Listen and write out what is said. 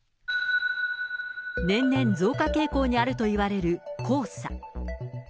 年々増加傾向にあるといわれる黄砂。